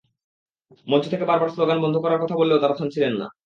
মঞ্চ থেকে বারবার স্লোগান বন্ধ করার কথা বললেও তাঁরা থামছিলেন না।